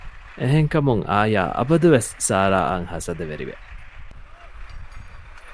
އެހެންކަމުން އާޔާ އަބަދުވެސް ސާރާއަށް ހަސަދަވެރިވެ